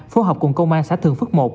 phối hợp cùng công an xã thường phước một